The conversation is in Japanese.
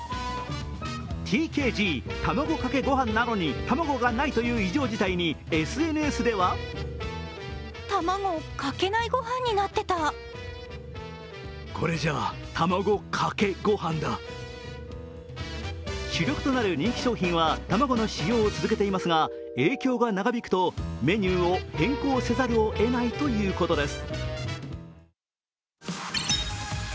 ＴＫＧ、卵かけご飯なのに卵がないという異常事態にＳＮＳでは主力となる人気商品は卵の使用を続けていますが影響が長引くとメニューを変更せざるを得ないということです。